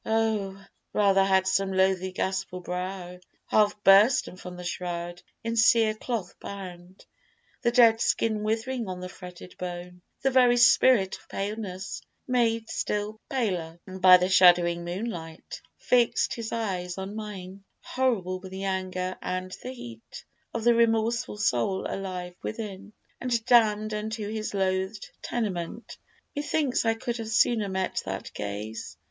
Oh! rather had some loathly ghastful brow, Half bursten from the shroud, in cere cloth bound, The dead skin withering on the fretted bone, The very spirit of Paleness made still paler By the shuddering moonlight, fix'd his eyes on mine Horrible with the anger and the heat Of the remorseful soul alive within, And damn'd unto his loathed tenement. Methinks I could have sooner met that gaze!